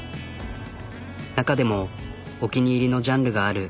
なかでもお気に入りのジャンルがある。